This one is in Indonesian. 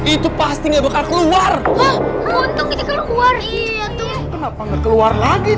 itu pasti keluar keluar keluar lagi